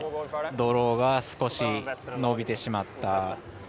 ドローが少し伸びてしまった。